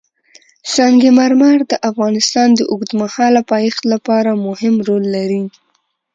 سنگ مرمر د افغانستان د اوږدمهاله پایښت لپاره مهم رول لري.